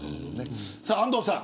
安藤さん